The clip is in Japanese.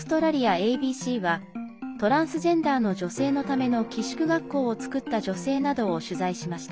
ＡＢＣはトランスジェンダーの女性のための寄宿学校を作った女性などを取材しました。